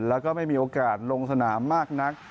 แล้วก็ไม่มีโอกาสลงสนามมากนัก